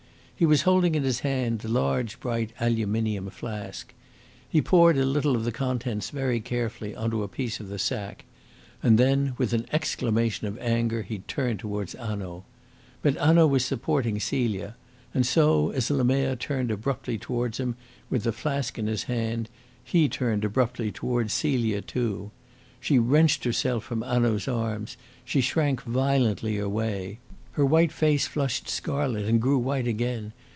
He was holding in his hand the large, bright aluminium flask. He poured a little of the contents very carefully on to a piece of the sack; and then with an exclamation of anger he turned towards Hanaud. But Hanaud was supporting Celia; and so, as Lemerre turned abruptly towards him with the flask in his hand, he turned abruptly towards Celia too. She wrenched herself from Hanaud's arms, she shrank violently away. Her white face flushed scarlet and grew white again.